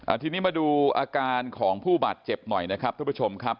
ทีนี้มาดูอาการของผู้บาดเจ็บหน่อยนะครับท่านผู้ชมครับ